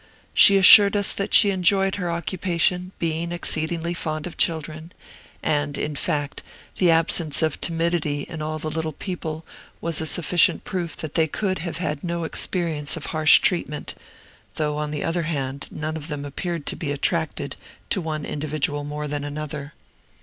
She assured us that she enjoyed her occupation, being exceedingly fond of children; and, in fact, the absence of timidity in all the little people was a sufficient proof that they could have had no experience of harsh treatment, though, on the other hand, none of them appeared to be attracted to one individual more than another.